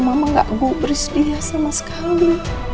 mama gak gubris dia sama sekali